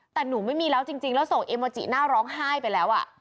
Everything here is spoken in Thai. แต่หนูไม่มีแล้วจริงแล้วส่งเอโมจิหน้าร้องไห้ไปแล้ว